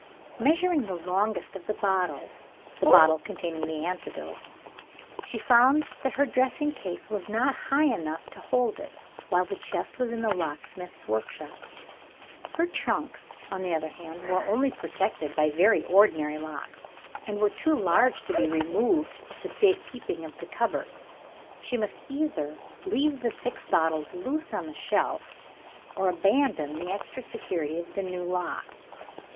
Measuring the longest of the bottles (the bottle containing the antidote), she found that her dressing case was not high enough to hold it, while the chest was in the locksmith's workshop. Her trunks, on the other hand, were only protected by very ordinary locks, and were too large to be removed to the safe keeping of the cupboard. She must either leave the six bottles loose on the shelf or abandon the extra security of the new lock.